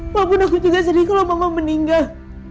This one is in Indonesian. walaupun aku juga sedih kalau mama meninggal